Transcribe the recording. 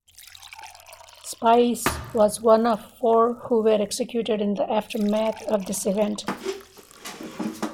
Spies was one of four who were executed in the aftermath of this event.